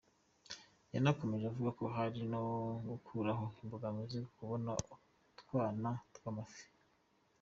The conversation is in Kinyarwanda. Yanakomeje avuga ko hari no gukuraho imbogamizi ku kubona utwana tw’amafi.